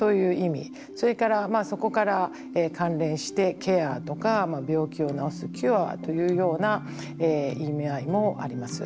それからそこから関連してケアとか病気を治すキュアというような意味合いもあります。